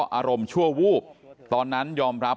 ตลอดทั้งคืนตลอดทั้งคืน